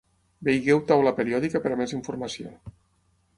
Vegeu taula periòdica per a més informació.